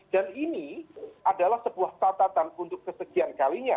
dan ini adalah sebuah catatan untuk kesegian kalinya